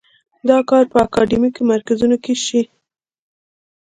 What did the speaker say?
دا کار په اکاډیمیکو مرکزونو کې شي.